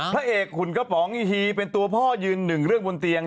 พระเอกขุนกระป๋องอีฮีเป็นตัวพ่อยืนหนึ่งเรื่องบนเตียง